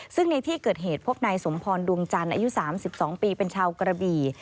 ซึ่งในที่เกิดเหตุพบนายสมพรดวงจันทร์อายุ๓๒ปีเป็นชาวกระบี่